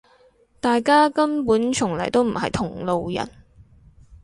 大家根本從來都唔係同路人